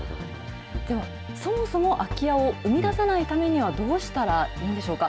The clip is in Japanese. そもそも空き家を生み出さないためには、どうしたらいいんでしょうか。